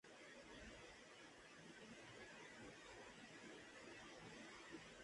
Ese mismo año, el complejo adquirió el nombre "Disney Village Marketplace".